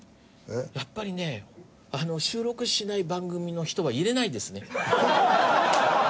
やっぱりね収録しない番組の人は入れないですね。